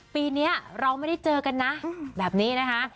ปีนี้เราไม่ได้เจอกันนะแบบนี้นะคะ